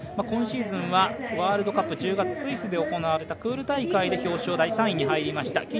今シーズンはワールドカップ、１０月にスイスで行われた大会で表彰台、３位に入りました。